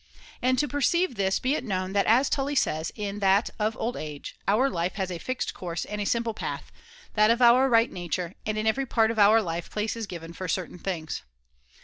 And to perceive this be it known that as Tully says in that Of Old Age :* Our life has a fixed course and a simple path, \j.o~\ that of our right nature ; and in every part of our life place is given for certain things.'